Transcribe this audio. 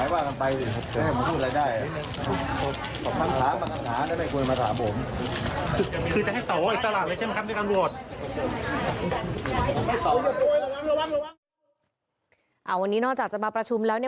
วันนี้นอกจากจะมาประชุมแล้ว